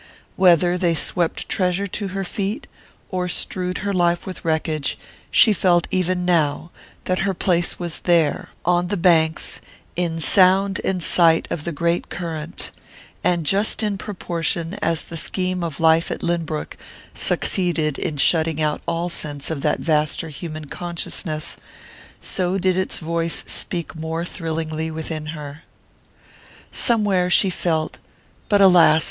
Whether they swept treasure to her feet, or strewed her life with wreckage, she felt, even now; that her place was there, on the banks, in sound and sight of the great current; and just in proportion as the scheme of life at Lynbrook succeeded in shutting out all sense of that vaster human consciousness, so did its voice speak more thrillingly within her. Somewhere, she felt but, alas!